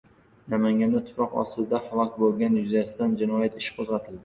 Namanganda tuproq ostida halok bo‘lganlar yuzasidan jinoyat ishi qo‘zg‘atildi